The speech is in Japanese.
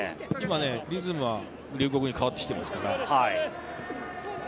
リズムは龍谷に変わってきています。